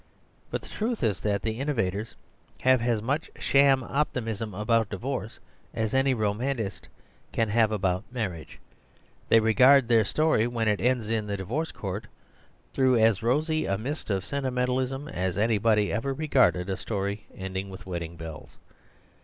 But the truth is that the in novators have as much sham optimism about ^«l The Tragedies of Marriage 117 divorce as any romanticist can have had about marriage. They regard their story, when it ends in the divorce court, through as rosy a mist of sentimentalism as anybody ever re garded a story ending with wedding bells.